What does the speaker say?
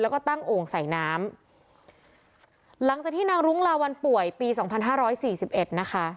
แล้วก็ตั้งโอ่งใส่น้ำหลังจากที่นางรุ้งลาวัลป่วยปีสองพันห้าร้อยสี่สิบเอ็ดนะคะ